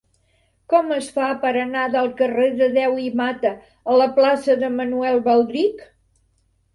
Com es fa per anar del carrer de Deu i Mata a la plaça de Manuel Baldrich?